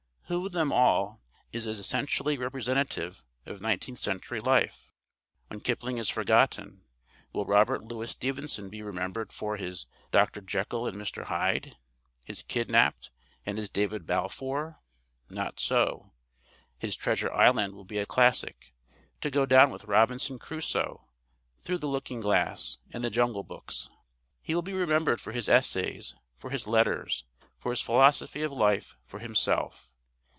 Who of them all is as essentially representative of nineteenth century life? When Kipling is forgotten, will Robert Louis Stevenson be remembered for his Dr. Jekyll and Mr. Hyde, his Kidnapped and his David Balfour? Not so. His Treasure Island will be a classic, to go down with Robinson Crusoe, Through the Looking Glass, and The Jungle Books. He will be remembered for his essays, for his letters, for his philosophy of life, for himself.